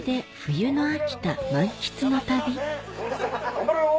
頑張れよ！